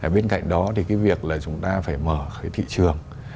bên cạnh đó thì việc chúng ta phải mở thị trường